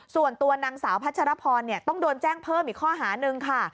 ส่วนตัวนางสาวพัชรพรต้องโดนแจ้งเพิ่มอีกข้อหานึงค่ะ